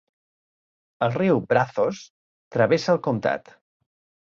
El riu Brazos travessa el comptat.